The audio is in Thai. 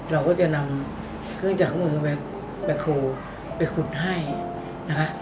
เราก็จะนำเครื่องจากมือไปโขลไปขุดให้นะคะ